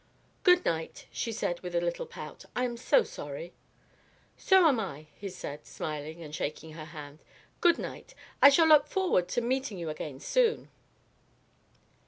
"Good night," she said with a little pout, "I am so sorry." "So am I," he said, smiling, and shaking her hand. "Good night. I shall look forward to meeting you again soon."